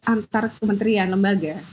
antar kementerian lembaga